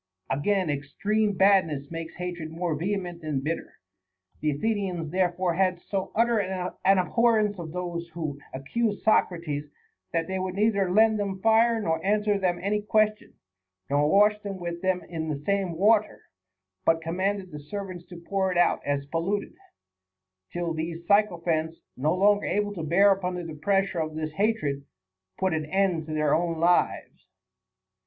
Again, extreme badness makes hatred more vehement and bitter. The Athenians therefore had so utter an ab horrence of those who accused Socrates, that they would neither lend them fire, nor answer them any question, nor wash with them in the same water, but commanded the servants to pour it out as polluted ; till these sycophants, 98 OF ENVY AND HATRED. no longer able to bear up under the pressure of this hatred, put an end to their own lives.